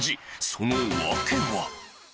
その訳は。